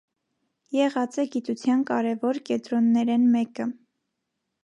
Եղած է գիտութեան կորեւոր կեդրոններէն մէկը։